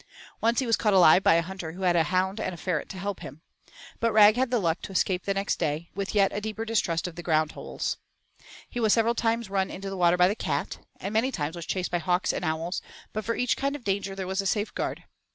Once he was caught alive by a hunter who had a hound and a ferret to help him. But Rag had the luck to escape next day, with a yet deeper distrust of ground holes. He was several times run into the water by the cat, and many times was chased by hawks and owls, but for each kind of danger there was a safeguard.